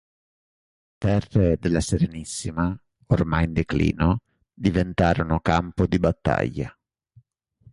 Le terre della Serenissima, ormai in declino, diventarono campo di battaglia.